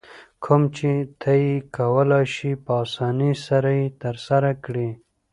کوم چې ته یې کولای شې په اسانۍ سره یې ترسره کړې.